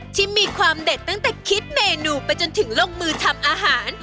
ที่มีความเด็ดตั้งแต่คิดเมนูไปจนถึงลงมือทำอาหาร